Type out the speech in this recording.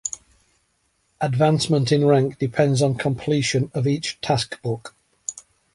Advancement in rank depends on completion of each taskbook.